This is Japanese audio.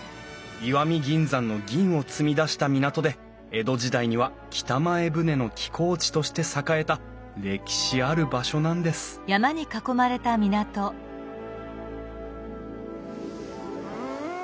石見銀山の銀を積み出した港で江戸時代には北前船の寄港地として栄えた歴史ある場所なんですうん！